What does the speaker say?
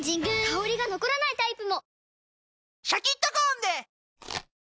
香りが残らないタイプも！